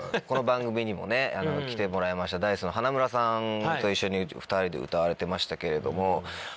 この番組にも来てもらいましたＤａ−ｉＣＥの花村さんと一緒に２人で歌われてましたけれども。